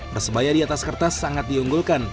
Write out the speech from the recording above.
persebaya di atas kertas sangat diunggulkan